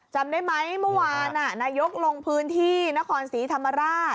จำได้ไหมเมื่อวานนายกลงพื้นที่นครศรีธรรมราช